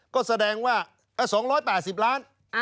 ก็แสดงว่า๒๘๐ล้าน